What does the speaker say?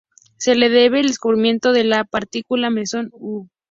Se le debe el descubrimiento de la "la partícula Mesón U".